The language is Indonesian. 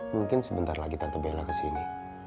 mungkin sebentar lagi tante bela kesini